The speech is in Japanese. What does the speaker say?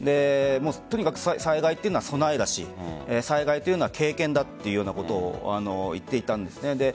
とにかく災害は備えだし災害というのは経験だというようなことを言っていたんです。